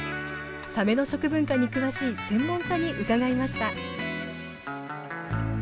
サメの食文化に詳しい専門家に伺いました